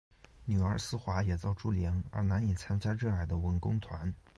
女儿思华也遭株连而难以参加热爱的文工团。